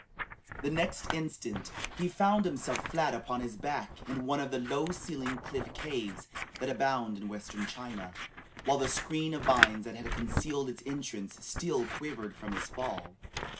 The next instant, he found himself flat upon his back in one of the low ceiled cliff caves that abound in Western China, while the screen of vines that had concealed its entrance still quivered from his fall.